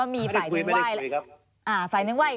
ไม่ได้คุยไม่ได้ไหว้